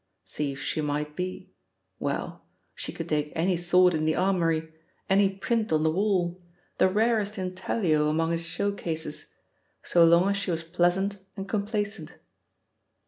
Thief she might be well, she could take any sword in the armoury, any print on the wall, the rarest intaglio among his show cases, so long as she was pleasant and complacent.